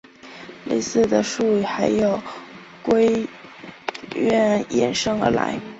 类似的术语还有硅烷衍生而来。